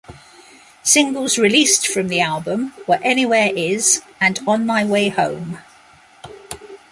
Singles released from the album were "Anywhere Is" and "On My Way Home".